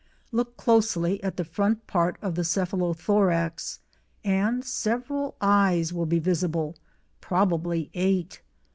Look closely at the front part of the cephalothorax, and several eyes will be visible—probably eight.